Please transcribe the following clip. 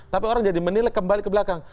tapi orang jadi menilai kembali ke belakang